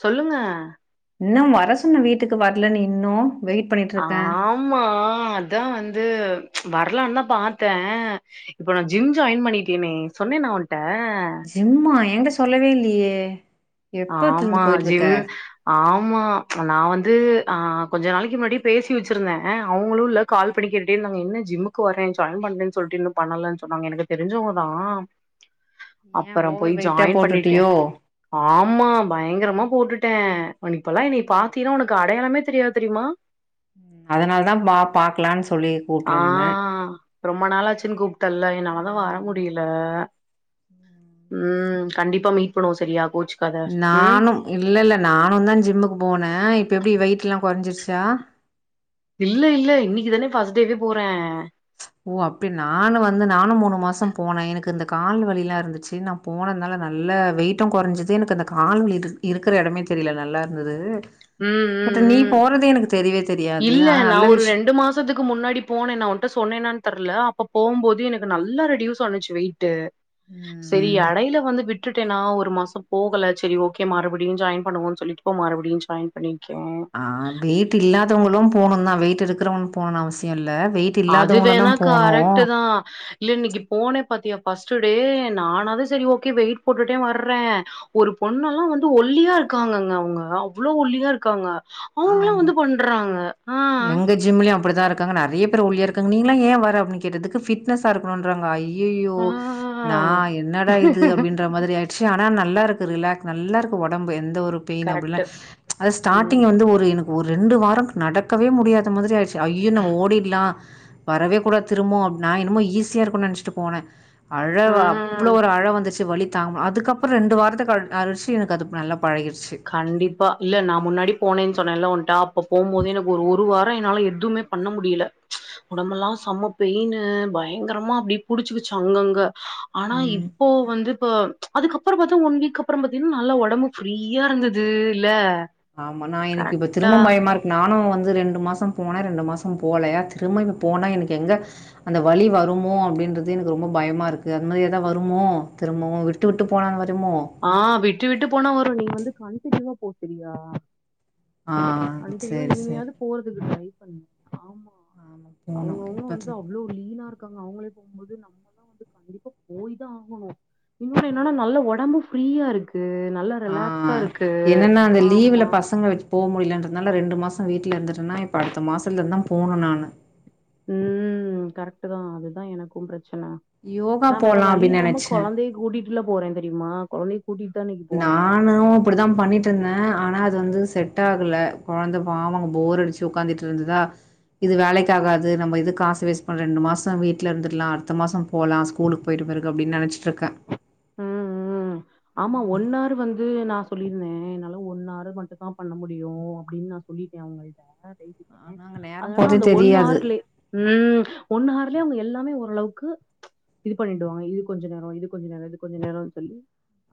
சொல்லுங்க இன்னும் வர சொன்ன வீட்டுக்கு வரல நீ இன்னு ஆமா அதா வந்து வரலான் தா பாத்தே இப்ப நா ஜிம் ஜாயின் பண்ணிட்டேனே சொன்னே நான் ஜிம்மா என்ட்ட சொல்லவே இல்லையே ஆமா எப்பத்துலருந்து போயிட்டுருக்க? ஜிம் ஆ ஆமா நான் வந்து ஆ கொஞ்சோ நாளைக்கி முன்னாடி பேசி வச்சிருந்தே அ அவுங்களுல்ல கால் பண்ணிக் கேட்டுட்டே இருந்தாங்க என்ன ஜிம்முக்கு வரே ஜாயின் பண்றேன்னு சொல்லிட்டு இன்னு பண்ணலன்னு சொன்னாங்க எனக்கு தெரிசவங்கதா ஏன் அப்புறோ ஓவர் போய் வெயிட்டா ஜாயின் பண்ணிட்டே போட்டுட்டியோ? ஆமா பயங்கரமா போட்டுட்டே உன் இப்பெல்லா என்னை பாத்தீன்னா உனக்கு அடையாளமே தெரியாது தெரியுமா அதனால தா பா பாக்கலான்னு சொல்லி ஆ கூப்டுருந்தே ரொம்ப நாளாச்சுன்னு கூப்ட்டல்ல என்னால தா வர ஆமா. முடியல ம். ம் கண்டிப்பா மீட் பண்ணுவோ செரியா நானு இல்ல இல்ல நானு தா ஜிம்முக்கு போன இப்ப எப்பிடி வெயிட்டெல்லா கொறைஞ்சிருச்சு ச்சா இல்ல இல்ல இன்னைக்கி தானே ஃபர்ஸ்ட்டேவே போறே ஓ அப்டி நானு வந்து நானு மூணு மாசம் போனே எனக்கு இந்த கால் வழிலாம் இருந்துச்சு நா போனனால நல்ல வெயிட்டு குறைஞ்சிது, எனக்கு அந்த கால்வலி இரு இருக்கிற எடமே தெரியல நல்லா இருந்தது. ம் பட் ம் நீ ம் போறது எனக்கு தெரியவே தெரியாது இல்ல ஆனா நா நல்ல ஒரு விஷ் ரெண்டு மாசத்துக்கு முன்னாடி போனே நான் உன்ட்ட சொன்னேனான் தெர்ல அப்ப போம்போது எனக்கு நல்லா ரெடியூஸ் ஆனுச்சு வெயிட்டு. சரி ம் எடையில வந்து விட் விட்டுட்டேன்னா ஒரு மாசம் போகல சரி ஓகே மறுபடியும் ஜாயின் பண்ணுவோன் சொல்லிட்டு இப்போ மறுபடியு ஜாயின் பண்ணிட் ஆ வெயிட் இல்லாதவங்களு போணுந்தா வெயிட் இருக்கறவங்க போணுன்னு அவசிய இல் அது வேணா கரெக்ட் தா இல்ல இன்னைக்கு போனே பாத்தியா ஃபர்ஸ்ட் டே, நானாது சரி ஓகே வெயிட் போட்டுட்டே வர்ற ஒரு பொண்ண எல்லா வந்து ஒல்லியா இருக் இருக்காங்கங்க அவங்க, அவ்ள ஒல்லியா இருக்காங்க. அவங்களா ஆமா வந்து பண்றாங்க ஆ எங்க ஜிம்லயு அப்டிதா இருக்காங்க நெறய பேர் ஒல்லியா இருக்காங்க நீன்ளா ஏ வர அப்னு கேட்டதுக்கு ஃபிட்னஸா இருக்கணுன்றாங்க அய் யய்யோ ஆ. நா என்னடா இது அப்படின்ற மாதிரி ஆயி ச்சு ஆனா நல்லா இருக்கு ரிலாக் நல்லா இருக்கு ஒடம்பு எந்த ஒரு பெயின் அப்டிலா கரெக்ட்டு. ச் ஆனா ம். ஸ்டாரிங்ள வந் எனக்கு ஒரு ரெண்டு வாரக் நடக்கவே முடியாத மாதிரி ஆயிடுச் ஐயயோ நம்ம ஓடிடலா வரவே கூடாது திரும் மோ நா என்னமோ ஈஸியா இருக்குனு நெனச்சிட்டு போன அழவா ஆ. அவ்ளோ ஒரு அழ வந்துச்சு. வலி தாங்க, அதுக்கப்பற ரெண்டு வாரத்த கழி அழச்சு எனக்கு அது நல்லா பழகிடுச்சு. கண்டிப்பா இல்ல நான் முன்னாடி போனேன்னு சொன்னேன்ல ஒன்ட்ட அப்ப போமோதே எனக்கு ஒரு ஒரு வா மா ஆனா என்னால எதுவுமே பண்ண முடியல ச் உடம்பெல்லா செம்ம பெயின்னு பயங்கரமா அப்டி புடிச்சுக்கிச்சு அங்கங்க. ஆனா ம். இப்போ வந்து, இப்ப அதுக்கப்பற பாத்தா ஒன் வீக் அப்பற பாத்தீங்கன்னா நல்லா ஒடம்பு ஃப்ரீ ய்யா இருந்தது இல்ல ஆமா நா எனக்கு இப்ப கரெக்டா திரும்ப பயமா இருக்கு நானு வந் வந்து ரெண்டு மாசம் போன ரெண்டு மாசம் போலையா திரும்ப இப்ப போனா எனக்கு எங்க அந்த வலி வருமோ அப்டி அப்டின்றது எனக்கு ரொம்ப பயமா இருக்கு அது மாரி ஏதா வருமோ திரும்பவு விட்டு விட்டு போனா அந்த மாரி ஆ விட்டு விட்டு போனா வரு நீ வந்து கண்டினுவா போ சரியா. ஆ கண்டினிவா சரி, சரி. இனிமையாது போறதுக்கு ட்ரை பண்ணு ஆமா ஆமா போணும். அவங்கவுங்க வந்து இப்ப அவ்ளோ லீனா இருக் இருக்காங்க அவங்களே போகும்போது நம்மல்லா வந்து கண்டிப்பா போய்தா ஆகணு இன்னொன்னு என்னன்னா நல்ல ஒடம்பு ஃப்ரீயா இருக் ஆ என்னன்னா அந்த லீவுல ஆமா பசங்கள வச்சு போ முடியலன்றதனால ரெண்டு மாச வீட்ல இருந்துட்டனா இப்ப அடுத்த மாசலந்துதா போனு நானு ம் கரெக்ட் தா அதுதா எனக்கும் பிரச்சன சுனா யோகா நா வேற போலா வழி அப்டின்னு இல்லாம நெனச்சே கொழந்தைய கூட்டிட்டுல போற தெரியுமா கொழந்தய நானு இப்படிதா பண்ணிட்டு இருந்த ஆனா அது வந்து செட் ஆகல கொழந்த பாவோ அங்க போர் அடிச்சு உக்காந்துட்டு இருந்ததா இது வேலைக்காகாது நம்ம இது காசு வேஸ்ட் பண்ண ரெண்டு மாசம் வீட்டுல இருந்துடலா அடுத்த மாச போலாம் ஸ்கூலுக்கு போயிட்டு ருகு அப்டின்னு நெனச்சிட்டு இருக்கே ம் ம் ஆமா ஒன்னாரு வந்து நா சொல்லியிருந்தே என்னால ஒன்னாரு மட்டு தா பண்ண முடியு அப்டின்னு நான் சொல்லிட்டே அவங்கள்ட்ட ஆனா அங்க நேரோ அதனால போறதே அந்த ஒன்னு தெரியாது ஆறுலயே ம் ஒன்னு ஆறுலயே அவங்க எல்லாமே ஒர் ஓர் அளவுக்கு இது பண்ணிடுவாங்க இது கொஞ்ச நேர இது கொஞ்ச நேர இது கொஞ்சம் நேரனு சொல்லி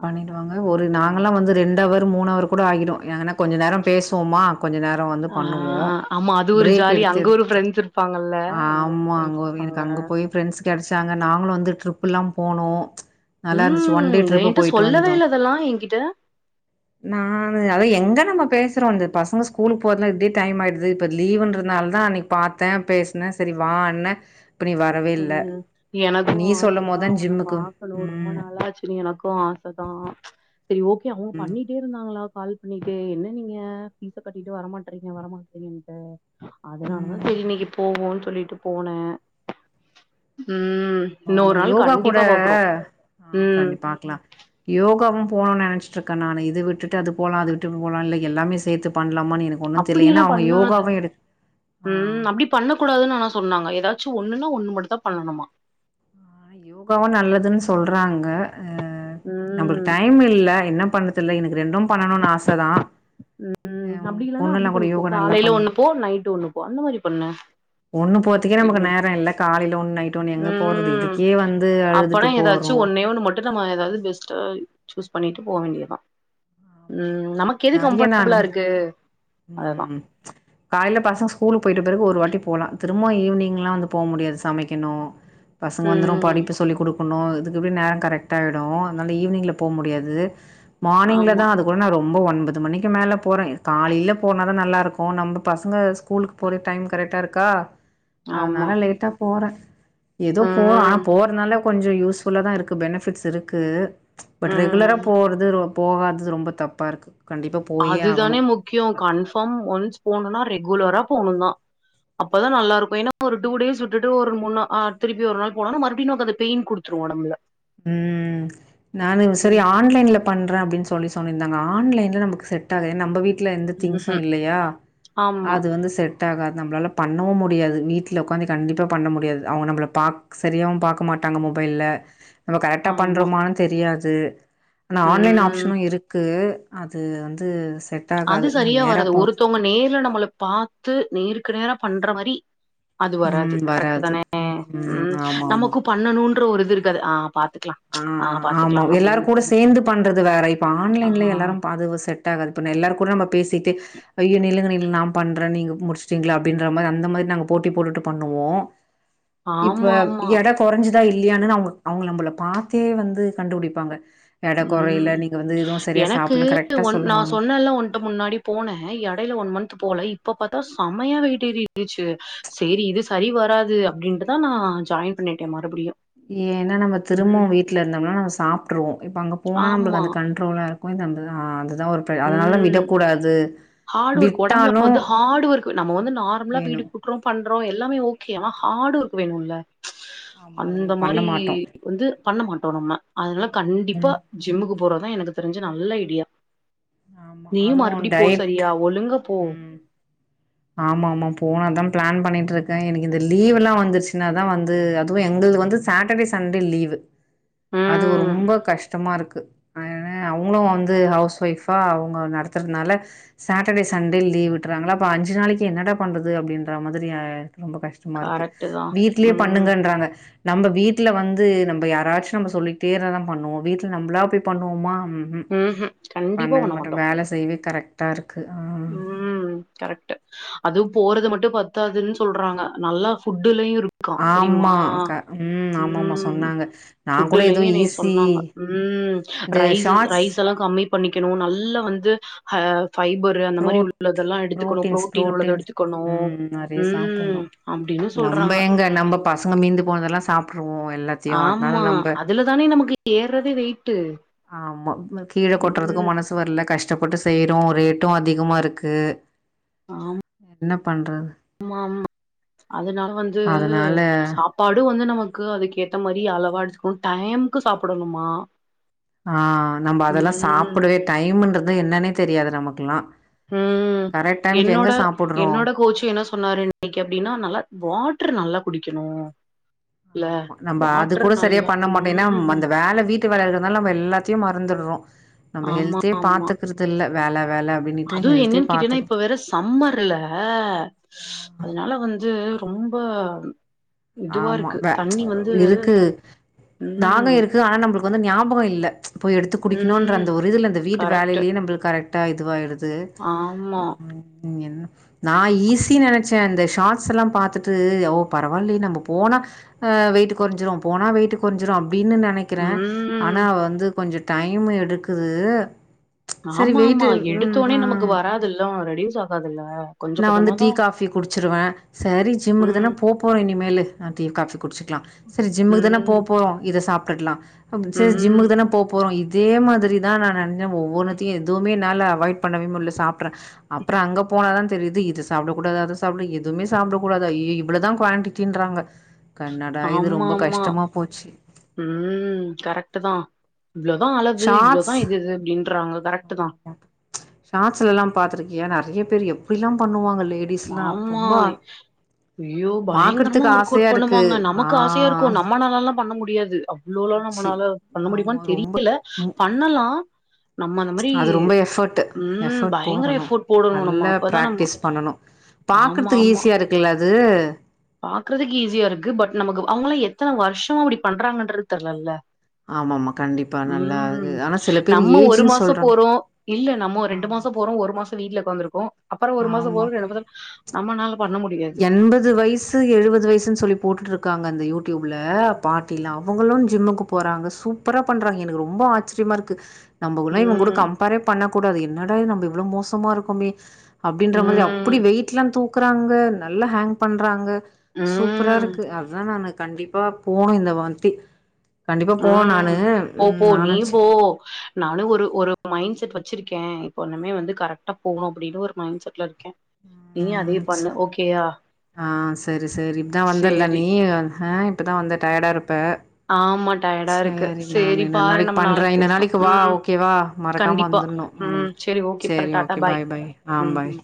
ஆ பண்ணிடுவாங்க கரெக்டா ஒரு பண்ணிடுவாங்க நாங்கல்லா வந்து ரெண்டு அவர் மூன் அவர் கூட ஆகிடு யானா கொஞ்ச நேரோ பேசுவோமா கொஞ்ச நேரோ வந்து ஆ பண்ணுவோ ஆமா அது ஒரு பிரேக் ஜாலி எடுத்து அங்க ஒரு எடுத்து ஃப்ரெண்ட்ஸ் இருப்பாங்கல்ல அங்க ஒரு ஆமா ஃப்ரெண்ட்ஸ் அங்க வீடுகு இருப்பாங்க அங்க போய் ஃப்ரெண்ட்ஸ் கெடச் தாங்க நாங்களு வந்து ட்ரிப் எல்லா போனோ நல்லாருந்துச்சு ம் ஒன்டே இது ட்ரிப்பு என்கிட்ட போய்ட்டு சொல்லவே வந்தோ இல்ல இதெல்லா என்கிட்ட அது எங்க நம்ம பேசுறோ அந்த பசங்க ஸ்கூலுக்கு போறது இப்டி டைமாயிடுது இப்ப லீவுன்றனால தான் அன்னைக்கு பாத் பாத்த பேசுன சரி வா அண்ண ம் எனக்கு சொல்லும் போது ஆசதா தான் உன்ன ஜிம்முக்கு பாக்கணு ரொம்ப ம் நாளாச்சு எனக்கு ஆசதா [unintelligible] சரி ஓகே அவங்க ம் பண்ணிட்டே இருந்தாங்களா கால் பண்ணிட்டு என்ன நீங்க பீஸ்ச கட்டிட்டு வரமாட்றீங்க வரமாட்றீங்கன்ட்டு அதனாலதா ம். சரி இன்னைக்கு போவோன்னு சொல்லிட்டு போனே ம் ஆமா இன்னொரு நாள் யோகா கூட கண்டிப்பா பாக்குறோ ஆ ம் கண்டி பாக்கலா யோகவும் போனுன் நெனச்சிட்ரக நானு இது விட்டு அது போலா அது விட்டு போலா இல்ல எல்லாமே சேத்து பண்ண அப்டிலா பண்ணா ஆ ம் அப்டி பண்ண கூடாதுன்னு ஆனா சொன்னாங்க ஏதாச் ஒண்ணுன்னா ஒண்ணு மட்டு தான் பண்ணணுமா யோகாவும் நல்லதுன்னு சொல்றாங்க நம்மளுக்கு ம் டைமில்ல என்ன பண்ணதில்ல எனக்கு ரெண்டும் பண்ணணுனு ஆச தா உம் அப்டி இல்லன்னா அப்டி பொண்ணுல்லா கூட பண்ணிகோ யோகா நல்லா காலைல பண்ணு ஒண்ணு போ நைட்டு் ஒண்ணு போ அந்த மாதிரி பண்ணு ஒண்ணு போத்துக்கே நமக்கு ம் நேர இல்லை காலையில ஒண்ணு நைட்டு ஒண்ணு எங்க போறது ம். இதுக்கே வந்து அப்பனா அழுதுட்டு ஏதாச்சு போறோ ஒன்னே ஒன்னு மட்டுதா நம்ம எதாவது பெஸ்ட் சூஸ் பண்ணிட்டு போக வேண்டியதா உ ஆமா ஆமா நமக்கெது கம்பெ நெறைய பளா நானு இருக்கு அதுதா ம் காலைல பசங்க ஸ்கூலுக்கு போயிட்ட பெறகு ஒரு வாட்டி போலா திரும்ப ஈவினிங்லா வந்து போக முடியாது சமைக்கணு பசங்க வந்துரு ம் படிப்பு சொல்லி கொடு னும் இதுக்கு எப்டி நேர கரெக்டாய்டு அதனால ஈவ்னிங்ல போ முடியாது ஆமா மார்னிங்லதான் அதுக்குடன ரொம்ப ரொம்ப ஒன்பது மணிக்கு மேல போறேன் காலிலேயே போனாதான் நல்லாருக்கு நம்ம பசங்க ஸ்கூலுக்கு போற டைம் கரெக்ட டாருக்கா ஆமா அதனால லேட்டா போறே ஏதோ போற ஆனா ம் போறனால கொஞ்ச யூஸ்புல்லாதாருக்கு பெனிபிட்ஸ் இருக்கு பட் ரெகுலரா ம் போறது போகாதது ரொம்ப தப்பாருக்கு அதுதானே முக்கியம் கன்பார்ம் ஒன்ஸ் போகணுனா ரெகுலரா போகணுதா அப்பதான் நல்லாருக்கு ஏன்னா ஒரு டூ டேஸ் விட்டுட்டு ஒரு மூணு திருப்பி ஒரு நாள் போனனா மறுபடியும் நமக்கு பெய்ன் குடுத்துடு போணம்ல உம் நானே சரி ம் ஆன்லைன்ல பண்றே அப்டின்னு சொல்லி சொன்னே ஆன்லைன்ல நமக்கு செட்டாகா ஏன்னா நம்ப வீட்ல எந்த திங்ஸும் ம்ஹும் இல்லையா ஆமா அது வந்து செட் ஆகாது நம்ளால பண்ணவு முடியாது வீட்ல உட்காந்து கண்டிப்பா பண்ண முடியாது அவங்க நம்மள பாக் சரியாவு பாக்க மாட்டே ட்டாங்க மொபைல நம்ம கரெக்டாக ஆமா பண்றமானு தெரியாது ஆனா ஆன்லைன் ம் ஆப்ஷனு இருக்கு அது வந்து செட் அது ஆகாது நா சரியா நேரா வராது போ ஒருத்தவங்க நேர்ல நம்மளை பாத்து நேருக்கு நேரா பண்ற மாரி அது வராது ம் கரெக்ட் வராது தானே ம் உம் ஆமா ஆமா நமக்கும் பண்ணணுன்ற ஒரு இது இருக்காது ஆ பாத் ஆ ஆமா எல்லாரு கூட சேர்ந்து பண்றது வேற இப்ப ஆ ஆன்லைன்ல எல்லாரும் அது செட்டாகாது நம்ம எல்லார் கூட நம்ம பேசிட்டு ஐயோ நில்லுங்க நில்லுங்க நா பண்றே நீங்க முடிச்டீங்களா அந்த மாதிரிங்க போ போட்டி போட்டுட்டு பண்ணுவோ இப்ப ஆமா ஆமா எட கொறைஞ்ச இல்லையானு அவுங்க அவுங்க நம்மள பாத்தே வந்து கண்டுபிடிப்பாங்க எட ம் கொறையல நீங்க வந்து எதுவு சரியா எனக்கு சாப்பிடலன்னு கரெக்டா ஒன் நா சொல்லுவாங்க சொன்னேல ஒன்ட்ட முன்னாடி போனே எடைல ஒன் மந்த் போல இப்ப பாத்தா செமையா வெய்ட் ஏறிருந்துச்சு சரி இது சரி வராது அப்டின்ட்டுதா நா ஆ ஜாயின் பண்ணிடே மறுபடியு ஏ ஏன்னா நம்ம ம் திரும்பவு வீட்லருந்தோம்னா நம்ம சாப்ட்ருவோ இப்ப அங்க போனா நம்மளுக்கு ஆமா அந்த கண்ட்ரோல அ தந்தது ஆ அதுதா ஒரு அதனால விடக்கூடாது ஹார்டு ஒர்க் ஒடம்புல விட்டாலு வந்து ஹார்டு ஒர்க் நம்ம வந்து நார்மலா வீடு வேணு கூட்றோ பண்ற எல்லாமே ஓகே ஆனா ஹார்டு ஒர்க் வேணுல ஆமா அது அந்த நம்ம பண்ண மாதிரி மாட்டோ வந்து பண்ண மாட்டோ நம்ம அதனால கண்டிப்பா ம் ஜிம்முக்கு போறதா எனக்கு தெரிஞ்ச நல்ல ஐடியா ஆமா நீயும் அதுவு மறுபடி போ டயட் சரியா ஒழுங்க போ ம் ஆமா ஆமா போனாதா பிளான் பண்ணிட்டு இருக்க எனக்கு இந்த லீவ்லா வந்துருச்சுன்னாதா வந்து அதுவு எங்கள்து வந்து சாட்டர்டே சண்டே லீவு அது ம் ரொம்ப கஷ்டமா இருக்கு அவங்களு வந்து ஹவுஸ் ஒஃப் பா அவங்க நடத்துறதுனால சேட்டர்டே சண்டே லீவ் விட்டுறாங்களா அப்ப அஞ்சு நாளைக்கு என்னட பண்றது அப்டின் ரமாதிரி அ ரொம்ப கஷ்டமா இருக்கு கரெக்ட்டு தா வீட்லே ம் பண்ணுங்கன்றாங்க நம்ம வீட்ல வந் து நம்ம யாராச்சும் நம்ப சொல்லிட்டே இருந்தா பண்ணுவோ வீட்டுல நம்ளா போய் பண்ணுவமா ம்ஹும் கண்டிப் நா மட்டும் வேல செய்வே கரெக்ட்டாருக்கு உம் கரெக்ட் அதுவு போறது மட்டு பத்தாதுன்னு சொல்றாங்க நல்லா ஃபுட் டுலயு இருக்கா தெரியுமா ஆமா க ம் ஆமாமா உம் சொன்னாங்க நா கூட ஏதோ புஃட்டுலயோ என்னிய ஈஸி சொன்னாங்க உம் இந்த ரைஸஸ் ஷார்ட்ஸ் ரைஸ் எல்லா கம்மி பண்ணிக்கணு நல்லா வந்து ஹ ஃபைபர் ரு அந்த மாரி ப்ரோட் உள்ளதெல்லா எடுத்துக்கணு ப்ரோட்டீன்ஸ் ஃப்ரோடீன் உள்ளத ப்ரோட்டீன்ஸ் எடுத்துக்கனு ம் அப்டின்னு சொல்ற நம்ப எங்க நம்ம பசங்க மீந்து போனதெல்லாம் சாப்டுருவோம் எல்லாத் ஆமா அதுல தானே நமக்கு ஏறதே வெயிட்டு ஆமா கீழ கொட்றதுக்கு ம் மனசு வரல கஷ் டப்பட்டு செய்றோ ரேட்டு அதிகமாருக்கு ஆம் என்ன பண்றத் மாம்மா அதனால வந்து அதனால சாப்பாடு வந்து நமக் க்கு அதுக்கேத்த மாரி அளவா எடுத்துக்கோன் டைமுக்கு சாப்டணுமா ஆஹ் நம்ம அதெல்லா சாப்டவே டைம்ன்றது என்னன்னே தெரியாது நமக்குலா ம் என்னோட சாப்புட்றோ என்னோட கோச்சு என்ன சொன்னாரு இன்னைக்கு அப்டின்னா நல்லா வாட்டரு நல்லா குடிக்கணு இல்ல ஆமா நம்ம அது வாட்டர் கூட சரியா நல்லா பண்ண மாட்டோ ஏனா ம் அந்த வேல வீட்டு வேல இருக்றதனால நம்ம எல்லாத்தி எ மறந்துற்றோம் நம்ம ஹெல்தே பாத்துக்றது இல்ல வேல வேல அப்டின்னுட்டு அதுவும் ஹெல்த்தே என்னன்னு கேட்டீன்னா பாத்துக்கறது இப்ப வேற சம்மர்ல அதனால வந்து ரொம் ம்ப ஆமா வே வந்து இருக்கு தாக ம் இருக்கு ஆனா நம்மளுக்கு வந்து ஞாபகொ இல்ல போயி எடுத்து குடிக்கணுன்ற ம் அந்த ஒரு இதுல ந்த வீட்டு கரெக்ட் வேலைலயே நம்ளுத் கரெக்டா இதுவாய்டுது து ஆமா உம் ம் என் நா ஈஸி நெனைச்சேன் இந்த ஷார்ட்ஸ்லா பாத்துட்டு ஒ பரவால்லையே நம்போ போனா அஹ் வெயிட் குறைஞ்சிரோ போனா வெயிட் குறைஞ்சிரோ அப் அப்டின்னு நினைக்கிறே ம் ஆனா வந்து கொஞ்ச டைமு எடுக்குது சரி ஆமா வெயிட்டு ஆமா ம் எடுத்தோனே நமக்கு வராதுல்ல ரெடியூஸ் ஆகாதுல்ல கொஞ்சம் நான் வந்து டீ கொஞ்சமாதா காபி குடிச்சிருவே சரி ஜிம்முக்கு தனே ம். போபோறோம் இனிமேலு நான் டீ காபி குடிச்சக்கலா சரி ஜிம்முக்கு தானே ம். போபோறோ இதை சாப்டுட்லா சரி ம். ஜிம்முக்கு தானே போபோறோ இது இதே மாதிரிதா நான் நெனச்சே ஒவ்வொன்னத்தையு எதுவுமே நால அவாய்ட் பண்ணவே முல்ல சாப்ற அப்ரொ அங்க போனாதான் தெரியுது இதை சாப்டக் கூடாது அதை சாப்ட எதுமே சாப்டக்க கூடாது ஐய்யய்யோ இவ்ளோதா குவான்டிடின்றாங்க கன்னடா இது ரொம்ப ஆமாமா. கஷ்டமா போச்சி இவ்ளோதா அளகு இவ்ளோதா இது இது அப்டின்றாங்க கரெக்ட்டு தா ஷாட்ஸுலல்லா பாத்துருக்கியா நெறைய பேர் எப்டிலா பண்ணுவாங்கல் மாம்மாய் உய்யோ பயங்கரமா பாக்குறதுக்கு ஆசையா ஒர்க்கவுட் இருக்கு பண்ணுவாங்க ஆ நமக்கு ஆசையாருக்கும் நம்மனாலல்லா பண்ண முடியாது வ்ளோலா ச்சி நம்மனால பண்ண ஆமா முடியுமான்னு ரொம்ப தெரியல ம் பண்ணலா நம்ம அந்த மாரி அது ரொம்ப எஃபர்ட் உம் எஃபர்ட் பயங்கர போடணு எஃபோர்ட் போடணு நம்ம நல்லா அப்பதா நம்மோ பிராக்டிஸ் பண்ணணு பாக்குறதுக்கு ஈஸியா இருக்குல்ல அது பாக்குறதுக்கு ஈஸியா இருக்கு பட் நமக்கு அவங்கல்லா எத்தனை வருஷோம அப்படி பண்றாங்கன்றது தெர்லல்ல ஆமா ஆமா கண்டிப்பா நல்லா அது உம் ஆனா சில பேர் நம்ம ஒரு ஏஜ்ன்னு மாசோ சொல்றாங்க போறோ இல்ல நம்ம ரெண்டு மா ஆமா மாஷொ போறோ ஒரு மாஷோ வீட்டுல உக்காந்திருக்கோ அப்புற ஒரு மாஷோ ஆமா போறோ ரெண்டு மாஷோ நம்மனால பண்ண முட் எண்பது வய் ஸ்ஸு எழுபது வயசுனு சொல்லி போட்டுட்டு இருக்காங்க அந்த யூடியூப்ல பாட்டில்லா அவங்களு ஜிம்முக்கு போறாங்க சூப்பரா பண்றாங்க எனக்கு ரொம்ப ஆச்சரியமா இருக்கு நம்மகுல்லா இவங்க கூட ம் கம்பேரே பண்ணக் கூடாது என்னடாது நம்ம இவ்ளோ மோசமா இருக்கோமே அப்படின்ற மாரி அப்படி ம் வெயிட் எலாம் தூக்குறாங்க நல்லா ஹேங் பண்றாங்க சூப்பரா ம் இருக்கு அததுதா நானு கண்டிப்பா போனும் இந்த வந்தி ம் போ போ நீ சே போ நானும் ஒரு ஒரு மண்டு செட் வச்சிருக்கே இப்போண்ணுமே வந்து கரெக்டா போகணு அப்படின்னு ஒரு மண்ட செட்ல இருக்கே நீ அதே ம் சே பண்ணு ஓகேயா ஆ சரி சரி இப்பதா வந்தல சேரி நீ ஆ இப்பதா வந்த டயடா இருப்ப ஆமா டயர்டா இருக்கு சரி நான் சேரி இன்னொ பாரு நாளைக்கு நம்ம பண்றே இன்னொ பேசலா நாளைக்கு வா ம் ஓகே வா மறக்காம கண்டிப்பா வந்துடணு உம் ம் சரி ஓகே பாரு சரி டாட்டா ஓகே பாய் பாய் ஆ ம் ம் பாய்